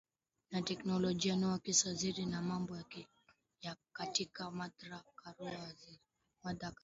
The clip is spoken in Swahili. na teknolojia Noah Wekesa Waziri wa sheria na mambo ya katiba Martha Karua Waziri